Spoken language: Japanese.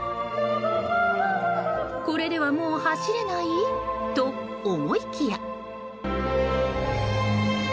これではもう走れないと思いきや。